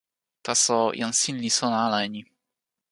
taso, jan sin li sona ala e ni.